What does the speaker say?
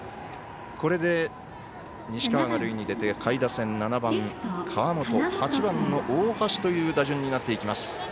これで西川が塁に出て下位打線、７番、川元８番の大橋という打順になっていきます。